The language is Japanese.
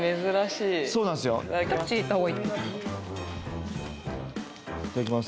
いただきます